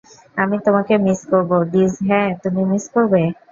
আমি তোমাকে মিস করব, ডিজ হ্যা, তুমি মিস করবে।